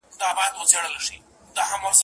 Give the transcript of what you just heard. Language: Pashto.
څاڅکی یم په موج کي فنا کېږم ته به نه ژاړې